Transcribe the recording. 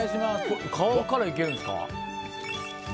皮からいけるんですか。